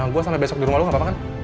gue sampe besok di rumah lo gapapa kan